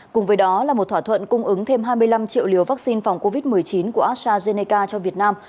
cùng với đó là một thỏa thuận cung ứng thêm hai mươi năm triệu liều vaccine phòng covid một mươi chín của astrazeneca cho việt nam